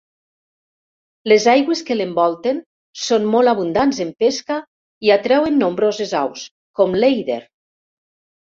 Les aigües que l'envolten són molt abundants en pesca i atreuen nombroses aus, com l'èider.